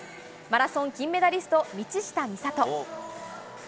マラソン金メダリスト・道下美里。